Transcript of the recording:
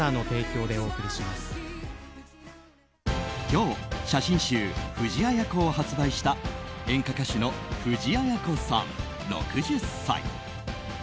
今日、写真集「ＦＵＪＩＡＹＡＫＯ」を発売した演歌歌手の藤あや子さん６０歳。